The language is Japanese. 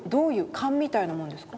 勘みたいなもんですか？